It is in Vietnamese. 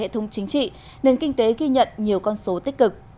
thống chính trị nền kinh tế ghi nhận nhiều con số tích cực